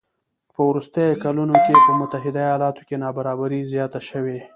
په وروستیو کلونو کې په متحده ایالاتو کې نابرابري زیاته شوې